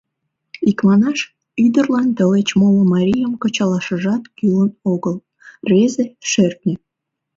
Икманаш, ӱдырлан тылеч моло марийым кычалашыжат кӱлын огыл, рвезе — шӧртньӧ.